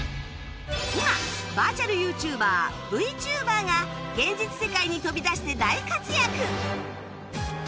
今バーチャル ＹｏｕＴｕｂｅｒＶＴｕｂｅｒ が現実世界に飛び出して大活躍！